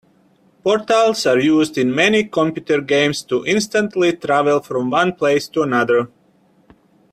Portals are used in many computer games to instantly travel from one place to another.